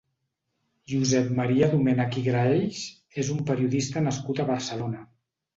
Josep Maria Domènech i Graells és un periodista nascut a Barcelona.